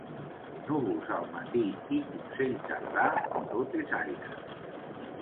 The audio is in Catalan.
Núvols al matí i consell tardà, tot és aire.